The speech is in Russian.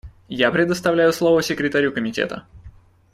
Я предоставляю слово Секретарю Комитета.